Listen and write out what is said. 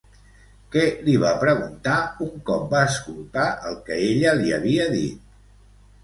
Què li va preguntar un cop va escoltar el que ella li havia dit?